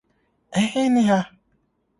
Ɛhe ne ha?